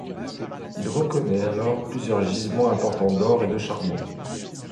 Il reconnaît alors plusieurs gisements importants d'or et de charbon.